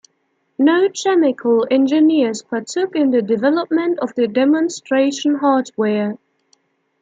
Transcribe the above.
No chemical engineers partook in the development of the demonstration hardware.